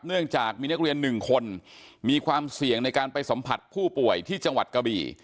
เนื่องจากมีนักเรียนหนึ่งคนมีความเสี่ยงในการไปสัมผัสผู้ป่วยที่จังหวัดกะบี่